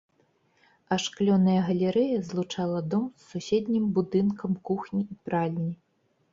Ашклёная галерэя злучала дом з суседнім будынкам кухні і пральні.